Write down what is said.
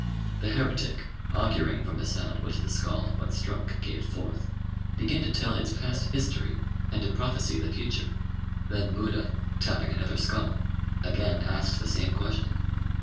The heretic, auguring from the sound which the skull, when struck, gave forth, began to tell its past history, and to prophesy the future. Then Buddha, tapping another skull, again asked the same question.